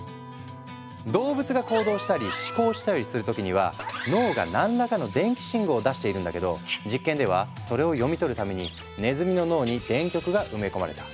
動物が行動したり思考したりする時には脳が何らかの電気信号を出しているんだけど実験ではそれを読み取るためにねずみの脳に電極が埋め込まれた。